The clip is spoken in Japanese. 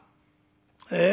ええ？